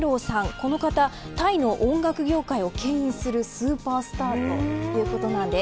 この方はタイの音楽業界をけん引するスーパースターなんです。